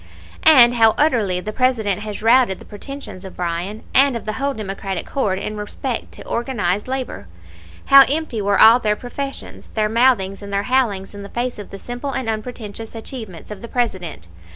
"And how utterly the President has routed the pretensions of Bryan, and of the whole Democratic horde in respect to organized labor! How empty were all their professions, their mouthings and their howlings in the face of the simple and unpretentious achievements of the President!